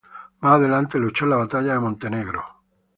Más adelante luchó en la batalla de Montenegro.